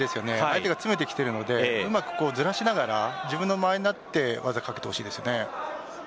相手が詰めてきているのでうまくずらしながら自分の間合いになって技をかけてほしいです。